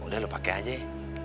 udah lo pake aja ya